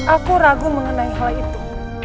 aku ragu mengenai hal itu